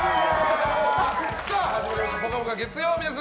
始まりました「ぽかぽか」月曜日です。